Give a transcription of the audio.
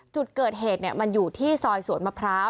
จุดเกิดเหตุมันอยู่ที่ซอยสวนมะพร้าว